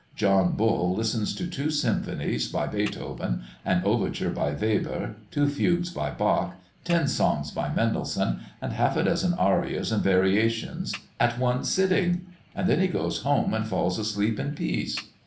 John Bull listens to two sympathies by Beethoven, an overture by Weber, two fugues by Bach, ten songs by Mendelssohn, and half a dozen arias and variations at one sitting, and then he goes home and falls asleep in peace.